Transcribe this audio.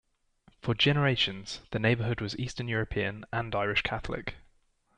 For generations, the neighborhood was Eastern European and Irish Catholic.